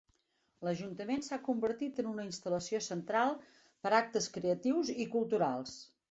L'Ajuntament s'ha convertit en una instal·lació central per a actes creatius i culturals.